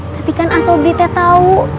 tapi kan asobri teh tau